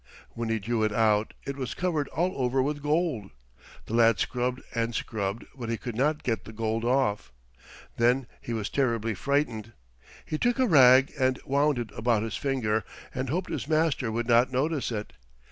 When he drew it out it was covered all over with gold. The lad scrubbed and scrubbed, but he could not get the gold off. Then he was terribly frightened. He took a rag and wound it about his finger and hoped his master would not notice it.